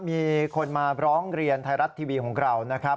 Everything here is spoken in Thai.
มีคนมาร้องเรียนไทยรัฐทีวีของเรานะครับ